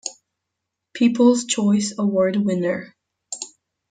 People's Choice Award winner.